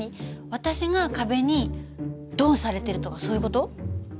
私が壁にドンされてるとかそういう事？